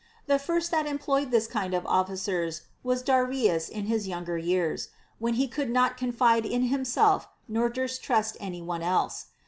The first that em ployed this kind of officers was Darius in his younger years, when he could not confide in himself nor durst trust any one else.